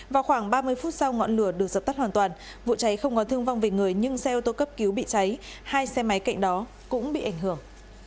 vào khoảng ba mươi phút sau ngọn lửa được dập tắt hoàn toàn vụ cháy không có thương vong về người nhưng xe ô tô cấp cứu bị cháy hai xe máy cạnh đó cũng bị ảnh hưởng